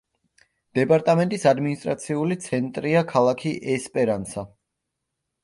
დეპარტამენტის ადმინისტრაციული ცენტრია ქალაქი ესპერანსა.